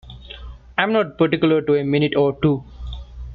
I'm not particular to a minute or two.